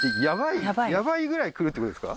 ヤバいぐらい来るってことですか？